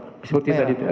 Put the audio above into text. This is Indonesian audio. seperti tadi itu ya